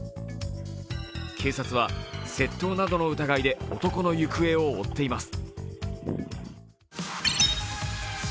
警察は窃盗などの疑いで男の行方を追っています。